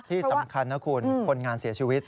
ที่สำคัญนะคุณคนงานเสียชีวิต